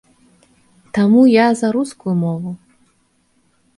Таму я за рускую мову.